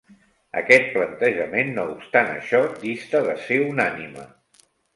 Aquest plantejament no obstant això, dista de ser unànime.